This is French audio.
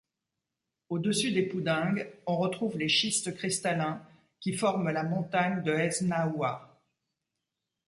Au-dessus des poudingues, on retrouve les schistes cristallins qui forment la montagne de Hesnaoua.